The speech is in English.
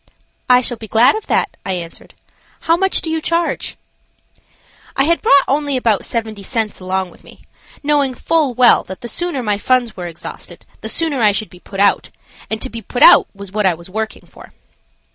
"I shall be glad of that," I answered. "How much do you charge?" I had brought only about seventy cents along with me, knowing full well that the sooner my funds were exhausted the sooner I should be put out, and to be put out was what I was working for.